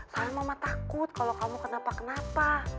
karena mama takut kalau kamu kenapa kenapa